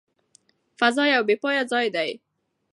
فضا یو بې پایه ځای دی.